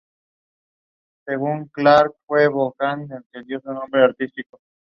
En uno de sus costados se encuentra el edificio Túnel del Tiempo.